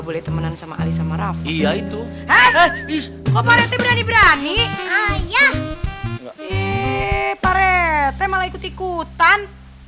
sete malah ikut ikutan